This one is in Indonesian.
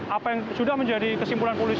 apa yang sudah menjadi kesimpulan polisi